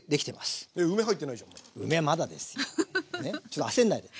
ちょっと焦んないで。